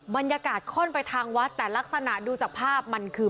ค่อนไปทางวัดแต่ลักษณะดูจากภาพมันคือ